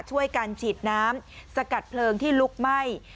ช่วยกันฉีดน้ำสกัดเพลิงที่ลุกไหม้